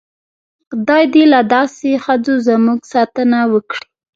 خدای دې له داسې ښځو زموږ ساتنه وکړي.